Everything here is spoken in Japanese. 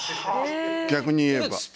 逆に言えば。